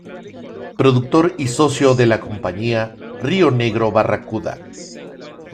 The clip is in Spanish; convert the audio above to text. Productor y socio de la compañía Río Negro-Barracuda.